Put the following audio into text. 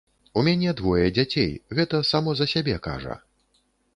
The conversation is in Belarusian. У мяне двое дзяцей, гэта само за сябе кажа.